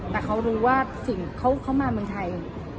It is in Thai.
แต่เขารู้ว่าสิ่งเขามาเมืองไทย